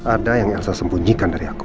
ada yang saya sembunyikan dari aku